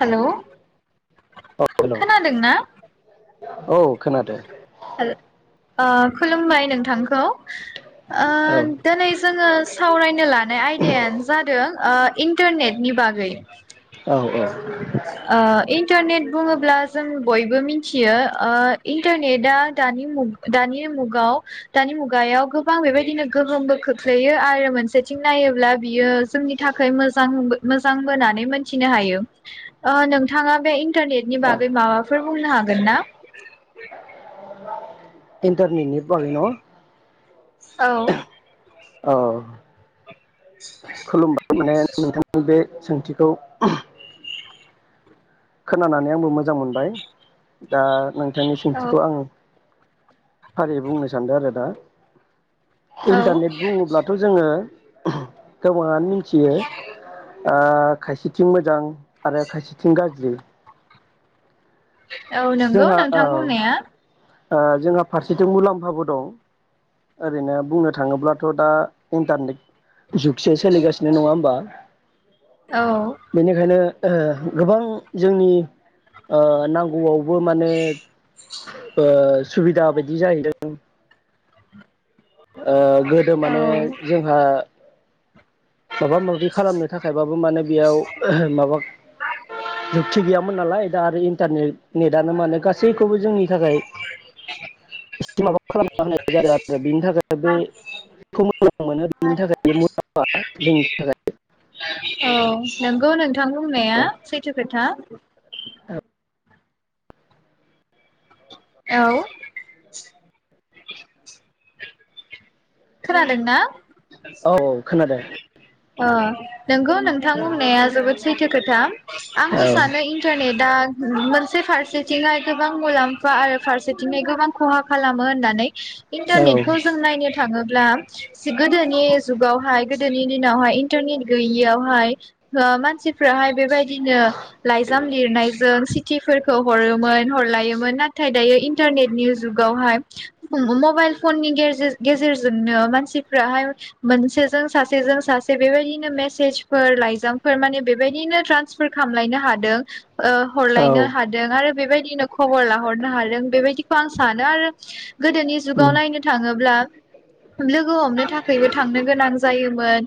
Hello औ hello खोनादों ना औ खोनादो अ खुलुमबाय नोंथांखौ ओ औ दोनै जोङो सावरायनो लानाय आयदायानो जादों इन्टारनेट नि बागै औ औ ओ इन्टारनेट बुङोब्ला जों बयबो मिथि थियो ओ इन्टारनेदा दानि मु दानि मुगाव दानि मुगायाव गोबां बेबायदिनो गोहोमबो खोख्लैयो आरो मोनसेथिं नायोब्ला बियो जोंनि थाखाय मोजां बो मोजांबो होनानै मोनथिनो हायो ओ नोंथाङा बे इन्टारनेटनि औ बागै माबाफोर बुंनो हागोन ना इन्टारनेटनि बागै न औ ओ खुलुमबाय माने नोंथांनि बे सोंथिखौ खोनानानै आंबो मोजां मोनबाय दा नों थांनि औ सोंथिखौ आं फारियै बुंनो सानदों आरो दा। औ इन्टारनेट बुङोब्लाथ' जोङो [inaudible] गोबाङानो मिनथियो ओ खायसेथिं मोजां आरो खायसेथिं गाज ज्रि औ नंगौ जोंहा औ नोंथां बुंनाया। ओ जोंहा फारसेथिं मुलाम्फाबो दं ओरैनो बुंनो थाङोब्लाथ' दा इन्टारनेट जुगसो सोलिगासिनो नङा होमबा औ बेनिखायनो ओ गोबां जोंनि नांगौआव बो मानो ओ सुबिदा बायदि जाहैदों। ओ गोदो औ माने जोंहा माबा माबि खालामनो थाखायबाबो माने बेयाव माबा जुक्थि गैया मोन नालाय दा आरो इन्टारने नेटआनो माने गासैखौबो जोंनि थाखाय माबा खालामना होनाय जादों आरो बेनि थाखाय बे खौ मोजां मोनो बेनि थाखाय मुलाम्फा जोंनि थाखाय औ नंगौ नोंथां बुंनाया [unintelligible] औ खोनादोंना? औ औ खोनादों। अ नोंगौ नोंथां बुंनाया जोबोद सैथो खोथा औ आंबो सानो इन्टारनेटा मोनसे से फारसेथिंहाय गोबां मुलाम्फा आरो फारसेथिङै गोबां खहा खालामो होननानै। औ इन्टारनेटखौ जों नायनो था ङोब्ला सिगोदोनि जुगावहाय गोदोनि दिनावहाय इन्टारनिट गैयियावहाय हो मानसिफोराहाय बेबाय बिदिनो लाइजाम लिरनायजों सि थिफोरखौ हरोमोन हरलायोमोन नाथाय दायो इन्टारनेटनि जुगावहाय मबाइल फननि गेजेर गेजेरजोंनो मानसिफोराहाय मोनसेजों सासेजों सासे बेबायदिनो मेसेजफोर लाइजामफोर माने बेबायदिनो ट्रान्सफोर खामलायनो हादों औ हरलायनो हादों आरो बेबायदि [unintelligible] खबर लाहरनो हादों बेबायदिखौ आं सानो आरो गोदोनि जुगाव उम नायनो थाङोब्ला लोगो हमनो थाखायबो थांनो गोनां जायोमोन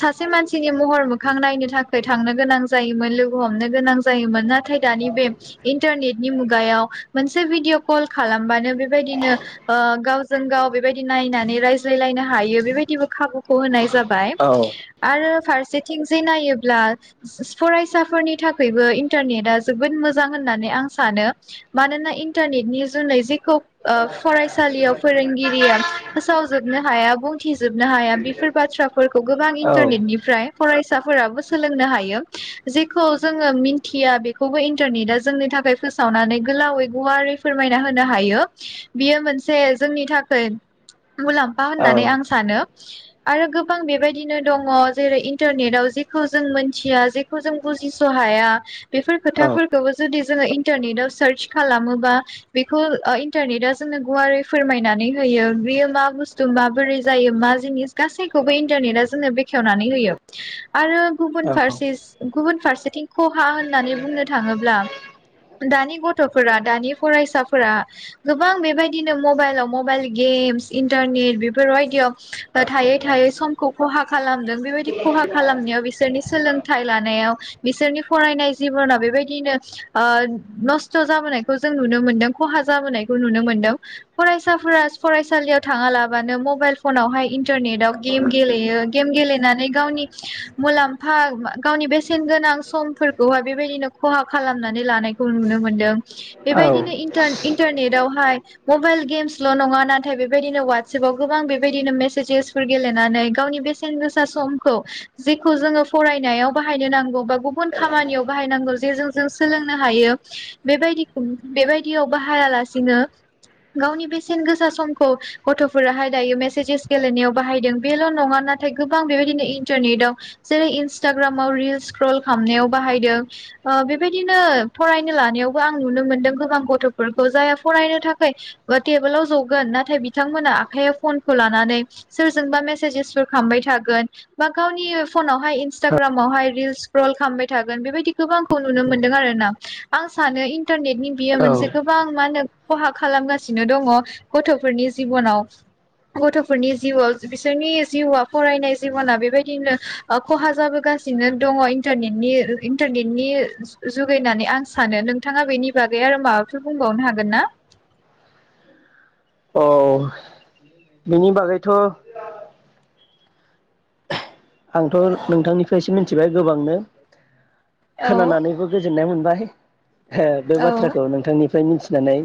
सासे मानसिनि महर मोखां नायनो थाखाय थांनो गोनां जायोमोन, लोगो हमनो गोनां जायोमोन। नाथाय दानि बे इन्टारनेटनि मुगायाव मोनसे भिडिअ कल खालामबानो बेबायदिनो ओ गावजों गाव बेबायदि नायनानै रायज्लायलायनो हायो बेबायदिबो खाबुखौ होनाय जाबाय औ आरो फारसेथिं जे नायोब्ला फरायसाफोरनि थाखायबो इन्टारनेटआ जोबोद मोजां होननानै आं सानो। मानोना इन्टारनेटनि जुनै जेखौ फरायसालियाव फोरोंगिरिया फोसावजोबनो हाया बुंथिजोबनो हाया बेफोर बाथ्राफोर औ मुलाम्फा औ होननानै आं सानो आरो गोबां बेबायदिनो दङ जेरै इन्टारनेटाव जेखौ जों मोनथिया जेखौ जों बुजिस हाया बेफोर खोथाफोरखौबो जुदि जोङो इन्टारनेटाव सार्च खालामोबा बेखौ ओ इन्टारनेटा जोंनो गुवारै फोरमायनानै होयो। बेयो मा बुस्थु माबोरै जायो मा जिनिस गासैखौबो इन्टारनेटआ जोंनो बेखेवनानै होयो आरो गुबुन फारसे गुबुन फारसेथिं खहा होननानै बुंनो थाङोब्ला दानि गथ'फोरा दानि फरायसाफोरा गोबां बेबायदिनो मबाइलाव मबाइल गेम इन्टारनेट बेफोरबायदियाव थायै थायै समखौ खहा खालामदों बेबायदि खहा खालामनायाव बिसोरनि सोलोंथाइ लानायाव बिसोरनि फरायनाय जिबना बेबायदिनो ओ नस्थ जाबोनायखौ जों नुनो मोनदों खहा जाबोनायखौ नुनो मोनदों। फरायसाफोरा फराय सालियाव थाङालाबानो मबाइल फनावहाय इन्टारनेटाव गेम गेलेयो गेम गेलेनानै गावनि मुलाम्फा गावनि बेसेन गोनां समफोरखौहाय बेबायदिनो खहा खालामनानै लानायखौ नुनो मोनदों। बेबायदिनो इन्टार इन्टारनेटावहाय मबाइल गेमसल' नङा ना नाथाय बेबायदिनो वाटसेएपाव गोबां बेबायदिनो मेसेजेसफोर गेलेनानै गावनि बेसेन गोसा समखौ जेखौ जोङो फरायनायाव बाहायनो नांगौ बा गुबुन खामानियाव बाहायनांगौ जेजों जों सोलोंनो हायो बेबायदि-बेबायदियाव बाहायालासिनो गावनि बेसेन गोसा सम खौ गथफोराहाय दायो मेसेजेस गेलेनायाव बाहायदों बेल नङा नाथाय गोबां बेबायदिनो इन्टारनेटाव जेरै इन्सटाग्रामाव रिल्स स्क्रल खालामनायाव बाहायदों ओ बेबायदिनो फरायनो लानायावबो आं नुनो मोनदों गोबां गथफोरखौ जायहा फरायनो थाखाय टेबोलाव जगोन ना नाथाय बिथांमोना आखाइयाव फनखौ लानानै सोरजोंबा मेसेजेसफोर खामबाय थागोन, बा गावनि फनावहाय इनसटाग्रामावहाय रिल्स स्क्रल खालामबाय थागोन। बेबायदिखौबो आंखौ नुनो मोन्दों आरो ना आं सानो इन्टारनेटनि बियो औ मोनसे औ गोबां मा होनो खहा खालामगासिनो दङ गथ' फोरनि जिबनाव गथफोरनि जिउआव बिसोरनि जिउआ फरायनाय जिबना बेबायदिनो खहा ओ जाबोगासिनो दङ इन्टारनेनि इन्टारनेटनि जुगै होननानै आं सानो। नोंथाङा बेनि बागै आरो माबाफोर बुंबावनो हागोन ना? औ बिनि बागैथ' [inaudible] आंथ' नोंथांनिफ्रायसो मिथिबाय गोबांनो औ खोनानानैबो गोजोननाय मोनबाय। हे बे औ बाथ्राखौ नोंथांनि निफ्राय मिथिनानै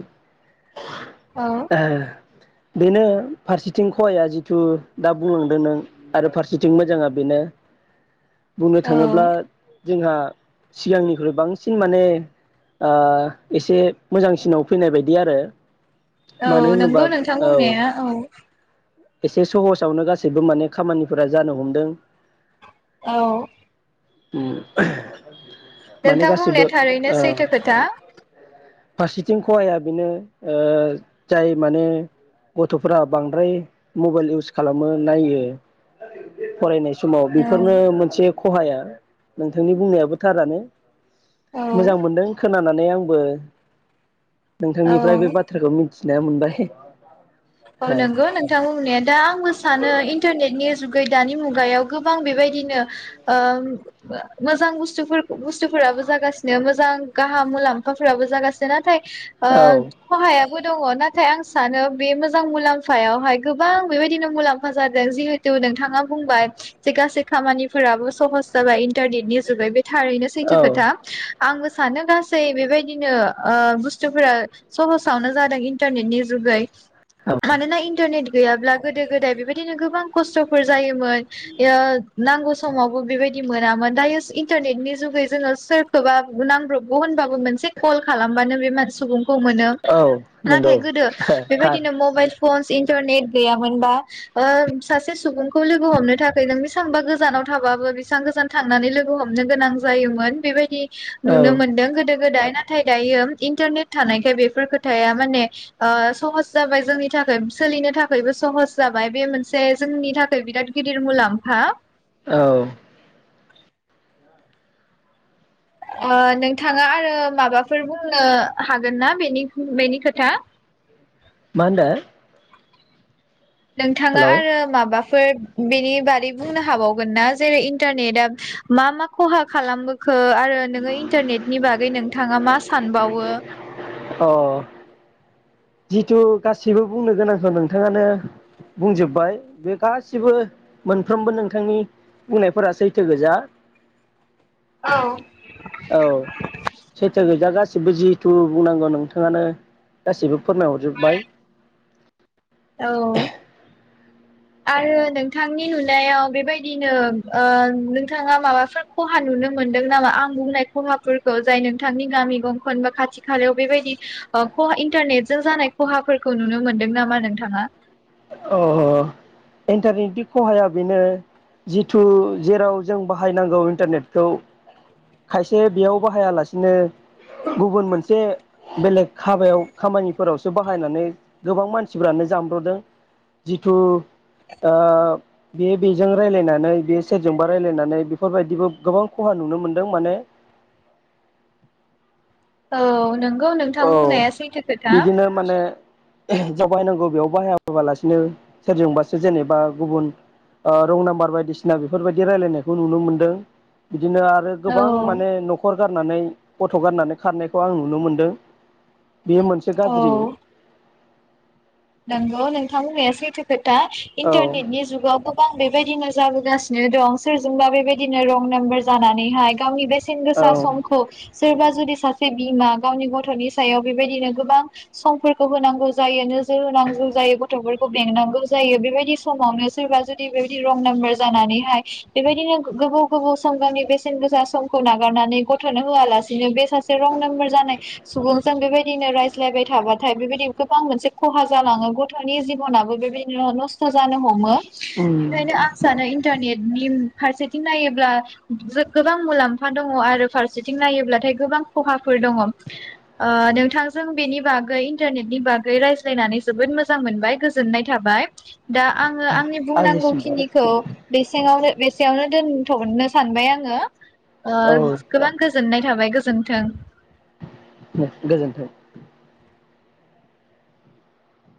औ [unintelligible] बेनो फारसेथिं खहाया जिथु दा बुंलांदों नों आरो फारसेथिं मोजाङा बेनो बुंनो औ थाङोब्ला जोंहा सिगांनिख्रुइ बांसिन माने आ एसे मोजांसिनाव फैनाय बायदि आरो मानो औ होनोबा नंगौ नोंथां औ बुंनाया औ। एसे सहसावनो गासिबो माने खामानिफोरा जानो हमदों। औ। उम [inaudible] नोंथां बुंनाया थारैनो सैथो खोथा फारसेथिं खहाया बेनो ओ जाय माने गथ'फोरा बांद्राय मबाइल इउस खालामो नायो फरायनाय समाव औ बेफोरनो मोनसे खहाया नोंथांनि बुंनायाबो थारानो औ मोजां मोनदों खोनाना नै आंबो नोंथांनिफ्राय बे औ बाथ्राखौ मिथ खिनाया मोनबाय औ नांगौ नोंथां बुंनाया दा आंबो सानो इन्टारनेटनि जुगै दानि मुगायाव गोबां बेबायदिनो ओ मोजां बुस्थु-बुस्थुफोराबो जागासिनो मोजां गाहाम मुलाम्फाफोराबो जागासिनो नाथाय ओ औ खहाया बो दङ नाथाय आं सानो बे मोज मोजां मुलाम्फायावहाय गोबां बेबायदिनो मुलाम्फा जादों जिहेथु नोंथाङा बुंबाय जे गासै खामानिफोराबो सहस जाबाय इन्टारनेटनि जुगै बे थारैनो सैथो खोथा आंबो सानो गासै बेबायदिनो ओ बुस्थुफोरा सहसावनो जादों इन्टारनेटनि जुगै औ मानोना इन्टारनेट गैयाब्ला गोदो गोदाय बेबायदिनो गोबां खस्थफोर जायोमोन इयो नांगौ समावबो बेबायदि मोनामोन दायो इन्टारनेटनि जुगै जोङो सोरखौबा नांब्रबगौ होनबाबो मोनसे कल खालामबानो बे सुबुं औ नंगौ था नो मबाइल फस इ इन्टारनेट गैयामोनबा सासे सुबुंखौ लोगो हमनो थाखाय नों बेसांबा गोजानाव थाबाबो बेसेबां गोजान थांनानै लोगो हमनो गोनां जायोमोन बेबायदि औ नुनो मोनदों गोदो गोदाय नाथाय दायो इन्टारनेट थानायखाय बेफोर खोथाया माने ओ सहस जाबाय जोंनि थाखाय सोलिनो थाखायबो सहस जाबाय बे मोनसे जोंनि थाखाय बिराद गिदिर मुलाम्फा औ ओ नोंथाङा आरो माबाफोर बुंनो हागोन ना बेनि बेनि खोथा मा होनदो नोंथाङा हेलौ आरो माबाफोर बेनि बारै बुंनो हाबावगोन ना जेरै इन्टारनेटआ मा मा खहा खालामबो ख खो आरो नोङो इन्टारनेटनि बागै नोंथाङा मा सानबावो अ जिथु गासिबो बुंनो गोनांखौ नोंथाङानो बुंजोब्बाय बे गासिबो मोनफ्रोमबो नोंथांनि बुंनायफोरा सैथो गोजा औ औ सैथो गोजा गासिबो जिहेथु बुंनांगौ नोंथाङानो गासिबो फोरमायहरजोबबाय औ आरो नोंथांनि नुनायाव बेबायदिनो नोंथाङा माबाफोर खहा नुनो मोनदों नामा आं बुंनाय खहाफोरखौ जाय नोंथांनि गामि गंखन बा खाथि खालायाव बेबायदि खहा इन्टारनेटजों जानाय खहाफोरखौ नुनो मोनदों नामा नोंथाङा अ अ इन्टारनेटनि खहाया बेनो जिथु जेराव जों बाहायनांगौ इन्टारनेटखौ खायसे बेयाव बाहायालासिनो गुबुन मोनसे बेलेग हाबायाव खामानिफोरावसो बाहायनानै गोबां मानसिफ्रानो जामब्रदों जिथु ओ बे-बेजों रायलायनानै बे सेरजोंबा रायलायनानै बेफोरबायदिबो गोबां खहा नुनो मोनदों माने औ नों औ बिदिनो माने जाव बाहायनांगौ बेयाव बाहाय फैोबालासिनो सोरजोंबासो जेनेबा गुबुन रं नाम्बार बायदिसिना बेफोरबायदि रायलायनायखौ नुनो मोनदों बिदिनो आरो औ गोबां माने न'खर गारनानै गथ' गारनानै खारनायखौ आं नुनो मोनदों। बेयो मोनसे गाज्रि नोंगौ नोंथां बुंनाया सैथो खोथा औ इन्टारनेटनि जुगाव बां बेबायदिनो जाबोगासिनो दं सोरजोंबा बेबायदिनो रं नाम्बार जानानैहाय गावनि बेस औ सेनगोसा समखौ सोरबा जुदि सासे बिमा गावनि गथ'नि सायाव बेबायदिनो गोबां समफोरखौ होनांगौ जायो नो जोर होनांगौ जायो गथ'फोरखौ बेंनांगौ जायो बेबायदि समावनो सोरबा जुदि बेबायदि रं नाम्बार जानानैहाय बेबायदिनो गोबोव गोबोव सम गावनि बेसेन गोसा समखौ नागारनानै गथ'नो होआलासेनो बे सासे रं नाम्बार जानाय सुबुंजों बेबायदिनो रायज्लायबाय थाबाथाय बेबायदि गोबां मोनसे खहा जालाङो गथ'नि जिबनाबो बेबायदिनो नस्थ' जानो हमो। उम बेखायनो आं सानो इ इनटारनेटनि फारसेथिं नायोब्ला जो गोबां मुलाम्फा दङ आरो फारसेथिं नायोब्लाथाय गोबां खहाफोर दङ, ओ नोंथांजों बेनि बागै इन्टारनेटनि बागै रायज्ला ज्लायनानै जोबोद मोजां मोनबाय गोजोननाय थाबाय। दा आं ओ आंनि आंनिसिमबो बुंनांगौखिनिखौ बेसेङावनो बेसेयावनो दोनथ'नो सानबाय आङो ओ औ गोबां गोजोननाय थाबाय गोजोनथों। दे गोजोन्थों।